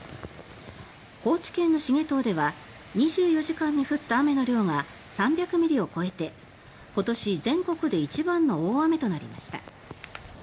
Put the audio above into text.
高知県の繁藤では２４時間に降った雨の量が３００ミリを超えて今年全国で一番の大雨となりました。